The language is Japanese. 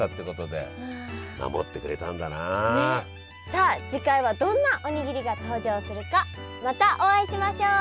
さあ次回はどんなおにぎりが登場するかまたお会いしましょう。